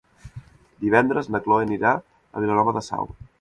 Divendres na Cloè anirà a Vilanova de Sau.